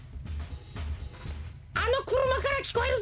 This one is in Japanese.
あのくるまからきこえるぜ。